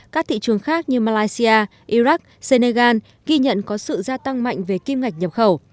các thị trường khác như malaysia iraq senegal ghi nhận có sự gia tăng mạnh về kim ngạch nhập khẩu